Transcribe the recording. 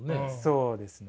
そうですね。